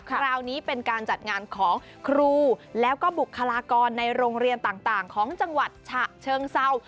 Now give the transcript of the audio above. คราวนี้เป็นการจัดงานของครูแล้วก็บุคลากรในโรงเรียนต่างของจังหวัดฉะเชิงเศร้า